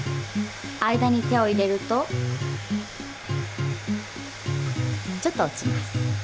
間に手を入れるとちょっと落ちます。